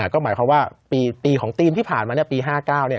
ก็หมายความว่าปีของธีมที่ผ่านมาปี๕๙